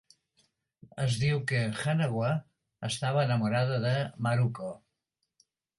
Es diu que Hanawa estava enamorada de Maruko.